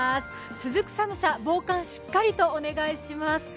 続く寒さ、防寒しっかりとお願いします。